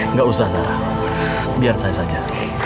nggak usah sarah biar saya saja